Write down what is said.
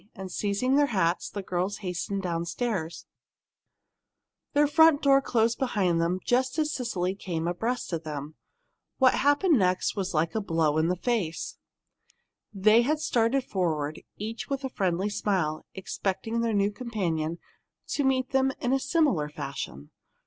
And seizing their hats, the girls hastened downstairs. Their front door closed behind them just as Cecily came abreast of them. What happened next was like a blow in the face! [Illustration: Cecily Marlowe passed them by without a look] They had started forward, each with a friendly smile, expecting their new companion to meet them in similar fashion.